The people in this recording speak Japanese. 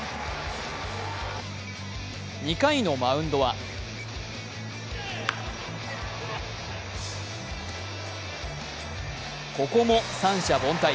２回のマウンドはここも三者凡退。